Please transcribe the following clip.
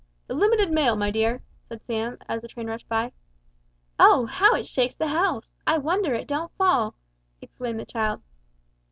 "The limited mail, my dear," said Sam, as the train rushed by. "Oh, how it shakes the house! I wonder it don't fall," exclaimed the child.